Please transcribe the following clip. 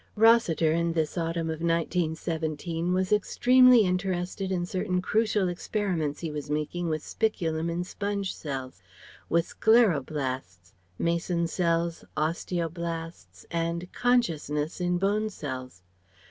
Rossiter in this autumn of 1917 was extremely interested in certain crucial experiments he was making with spiculum in sponge cells; with scleroblasts, "mason cells," osteoblasts, and "consciousness" in bone cells.